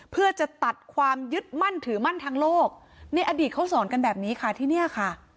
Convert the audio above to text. เพื่อจะตัดความยึดมั่นถือมั่นทางโลกในอดีตเขาสอนกันแบบนี้ค่ะที่เนี่ยค่ะ